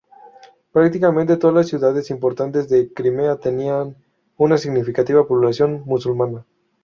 Prácticamente todas las ciudades importantes de Crimea tenían una significativa población musulmana.